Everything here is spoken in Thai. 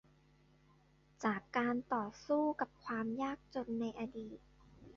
จากการต่อสู้กับความยากจนในอดีต